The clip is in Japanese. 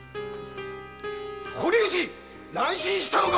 堀内っ乱心したのか！